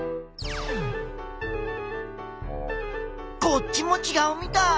こっちもちがうみたい！